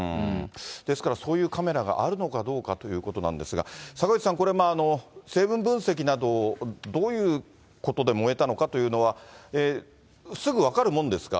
ですから、そういうカメラがあるのかどうかというところですが、坂口さん、これ、成分分析など、どういうことで燃えたのかというのは、すぐ分かるもんですか？